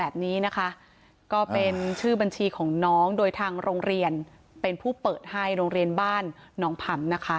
แบบนี้นะคะก็เป็นชื่อบัญชีของน้องโดยทางโรงเรียนเป็นผู้เปิดให้โรงเรียนบ้านหนองผำนะคะ